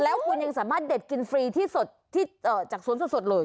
แล้วคุณยังสามารถเด็ดกินฟรีที่สดที่จากสวนสดเลย